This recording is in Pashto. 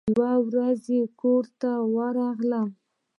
يوه ورځ چې کور ته ورغلم.